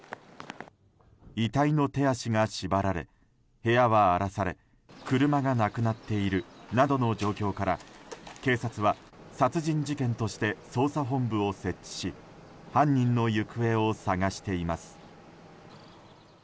遺体の手足が縛られ部屋は荒らされ車がなくなっているなどの状況から警察は殺人事件として捜査本部を設置し犯人の行方を捜しています。